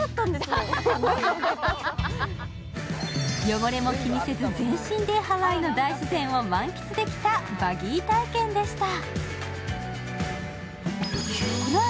汚れも気にせず全身でハワイの大自然を満喫できたバギー体験でした。